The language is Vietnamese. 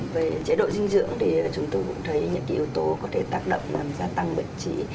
về chế độ dinh dưỡng thì chúng tôi cũng thấy những yếu tố có thể tác động làm gia tăng bệnh trí